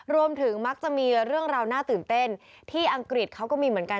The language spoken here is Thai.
รวมถึงมักจะมีเรื่องราวน่าตื่นเต้นที่อังกฤษเขาก็มีเหมือนกัน